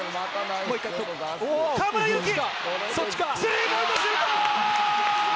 河村勇輝、スリーポイントシュート！